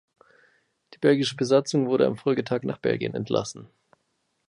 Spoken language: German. Die belgische Besatzung wurde am Folgetag nach Belgien entlassen.